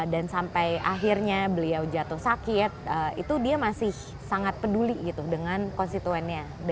dan sampai akhirnya beliau jatuh sakit itu dia masih sangat peduli gitu dengan konstituennya